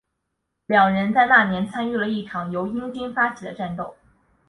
两人在那年参与了一场由英军发起的战斗。